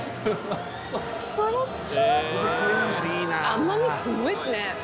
甘みすごいですね！